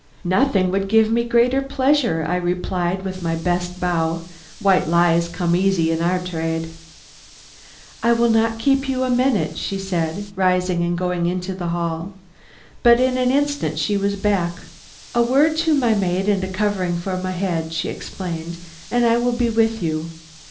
"Nothing would give me greater pleasure," I replied with my best bow; white lies come easy in our trade. "I will not keep you a minute," she said, rising and going into the hall. But in an instant she was back. "A word to my maid and a covering for my head," she explained, "and I will be with you."